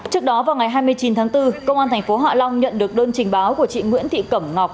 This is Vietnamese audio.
trước đó vào ngày hai mươi chín tháng bốn công an tp hạ long nhận được đơn trình báo của chị nguyễn thị cẩm ngọc